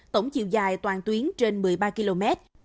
tổng chiều dài toàn tuyến trên một mươi ba km